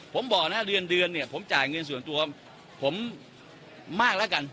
ผมบอกนะเดือนเนี่ยผมจ่ายเงินส่วนตัวผมมากแล้วกัน